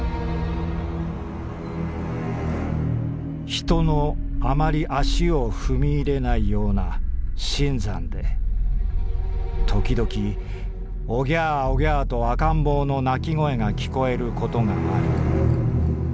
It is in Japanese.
「人のあまり足を踏み入れないような深山でときどき『オギャーオギャー』と赤ん坊の泣き声が聞こえることがある。